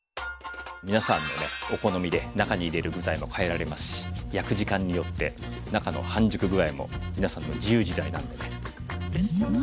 皆さんのねお好みで中に入れる具材も変えられますし焼く時間によって中の半熟具合も皆さんの自由自在なのでね。